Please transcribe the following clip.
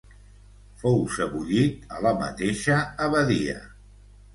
Fou sebollit a la mateixa abadia.